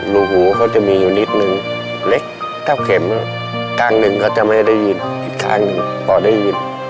รูหูเขาจะมีอยู่นิดนึงเล็กเท่าเข็มข้างหนึ่งเขาจะไม่ได้ยินอีกครั้งพอได้ยิน